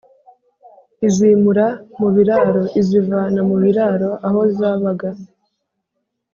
izimura mu biraro: izivana mu biraro (aho zabaga)